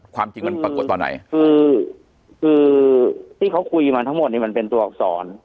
ความจริงมันปรากฏตอนไหนคือคือที่เขาคุยมาทั้งหมดนี้มันเป็นตัวอักษร